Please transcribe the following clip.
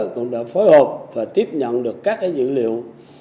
cũng đã phối hợp và tiếp nhận được các dữ liệu